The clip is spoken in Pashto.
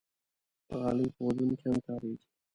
غالۍ په ودونو کې هم کارېږي.